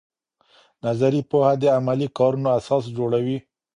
نظري پوهه د عملي کارونو اساس جوړوي.